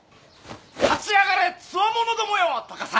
『立ち上がれ、つわものどもよ』とかさ！